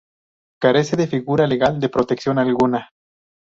Carece de figura legal de protección alguna.